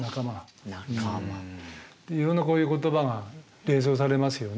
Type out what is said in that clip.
いろんなこういう言葉が連想されますよね。